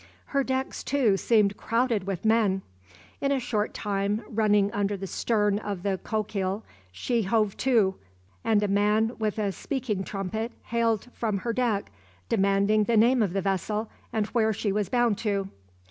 Her decks, too, seemed crowded with men. In a short time, running under the stern of the "Coquille," she "hove to," and a man with a speaking trumpet hailed from her deck, demanding the name of the vessel, and where she was bound to.